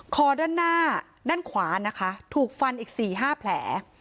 คอด้านหน้าด้านขวานะคะถูกฟันอีก๔๕แผล